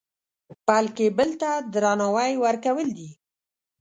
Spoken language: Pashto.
بلکې بل ته درناوی ورکول دي.